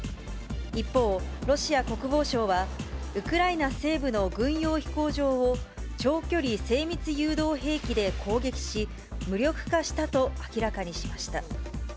一方、ロシア国防省は、ウクライナ西部の軍用飛行場を、長距離精密誘導兵器で攻撃し、無力化したと明らかにしました。